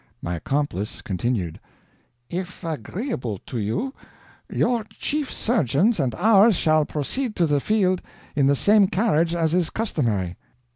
My accomplice continued: "If agreeable to you, your chief surgeons and ours shall proceed to the field in the same carriage as is customary."